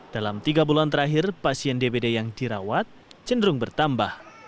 dalam tiga bulan terakhir pasien dbd yang dirawat cenderung bertambah